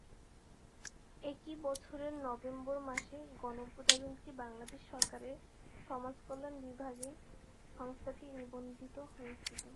একই বছরের নভেম্বর মাসে গণপ্রজাতন্ত্রী বাংলাদেশ সরকারের সমাজকল্যাণ বিভাগে সংস্থাটি নিবন্ধিত হয়েছিল।